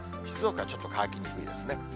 静岡はちょっと乾きにくいですね。